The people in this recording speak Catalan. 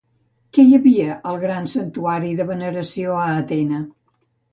Què hi havia al gran santuari de veneració a Atena?